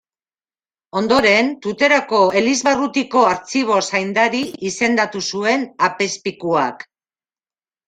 Ondoren Tuterako elizbarrutiko artxibo-zaindari izendatu zuen apezpikuak.